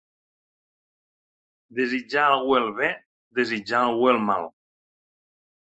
Desitjar a algú el bé, desitjar a algú el mal.